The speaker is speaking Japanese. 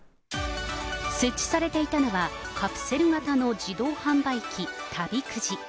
設置されていたのは、カプセル型の自動販売機、旅くじ。